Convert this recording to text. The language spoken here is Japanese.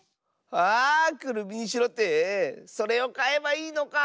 あくるみにしろってそれをかえばいいのか！